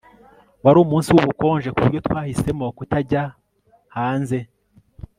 Wari umunsi wubukonje kuburyo twahisemo kutajya hanze